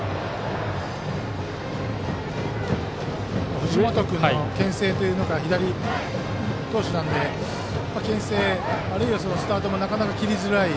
藤本君のけん制が左投手なのでけん制、あるいはスタートもなかなか切りづらい。